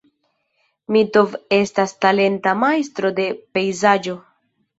Mitov estas talenta majstro de pejzaĝo.